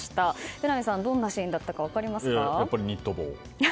榎並さん、どんなシーンだったかやっぱりニット帽。